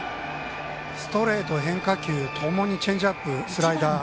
ストレート、変化球、ともにチェンジアップ、スライダー。